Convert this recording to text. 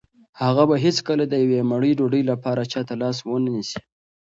هغه به هیڅکله د یوې مړۍ ډوډۍ لپاره چا ته لاس ونه نیسي.